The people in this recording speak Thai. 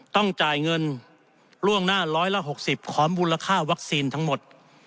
ต้องจ่ายเงินล่วงหน้าร้อยละหกสิบของมูลค่าวัคซีนทั้งหมด